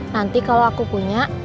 nanti kalau aku punya